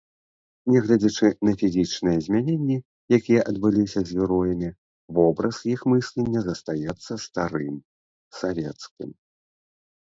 Нягледзячы на фізічныя змяненні, якія адбыліся з героямі, вобраз іх мыслення застаецца старым, савецкім.